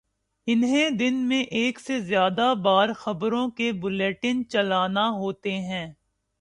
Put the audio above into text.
انہیں دن میں ایک سے زیادہ بار خبروں کے بلیٹن چلانا ہوتے ہیں۔